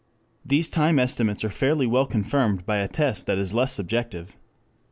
These time estimates are fairly well confirmed by a test which is less subjective.